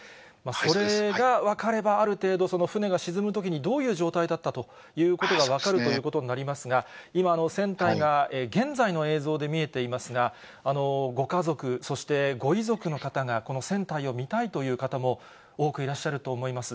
それが分かれば、ある程度、船が沈むときに、どういう状態だったということが分かるということになりますが、今、船体が、現在の映像で見えていますが、ご家族、そしてご遺族の方が、この船体を見たいという方も多くいらっしゃると思います。